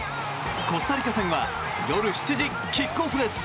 コスタリカ戦は夜７時キックオフです。